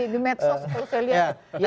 di medsos kalau saya lihat